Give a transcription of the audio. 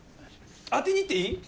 当てにいっていい？